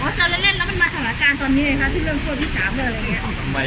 สถานการณ์ตอนนี้ไงคะที่เริ่มทั่วที่๓เนี่ยอะไรอย่างเงี้ย